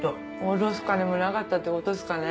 堕ろす金もなかったって事っすかね。